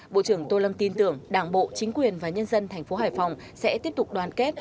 bộ trưởng tô lâm tin tưởng đảng bộ chính quyền và nhân dân thành phố hải phòng sẽ tiếp tục đoàn kết